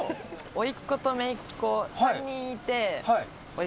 おいっ子とめいっ子３人いて。